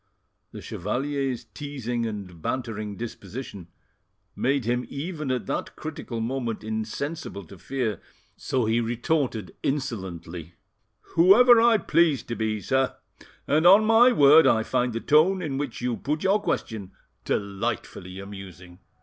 The chevalier's teasing and bantering disposition made him even at that critical moment insensible to fear, so he retorted insolently— "Whoever I please to be, sir; and on my word I find the tone in which you put your question delightfully amusing."